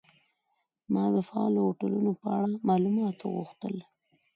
ما د فعالو هوټلونو په اړه معلومات وغوښتل.